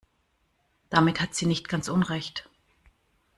Damit hat sie nicht ganz Unrecht.